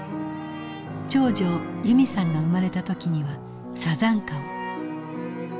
長女由美さんが生まれた時には山茶花を。